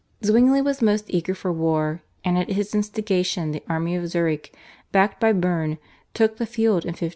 Zwingli was most eager for war, and at his instigation the army of Zurich, backed by Berne, took the field in 1529.